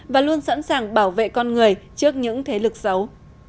và luôn sẵn sàng bảo vệ con người trước những thế lực xấu